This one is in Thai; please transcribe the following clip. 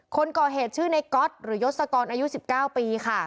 คนก่อเหตุชื่อในก๊อตหรือยศกรอายุ๑๙ปีค่ะ